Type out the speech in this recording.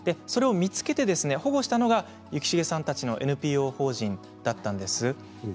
それを見つけて保護したのが幸重さんたちのＮＰＯ法人だったんです。